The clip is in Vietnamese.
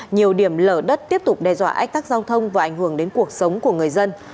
nhiều điểm lở đất tiếp tục đe dọa ách tắc giao thông và ảnh hưởng đến cuộc sống của người dân